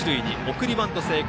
送りバント成功。